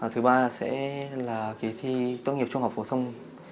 thứ ba sẽ là kỳ thi tốt nghiệp trung học phổ thông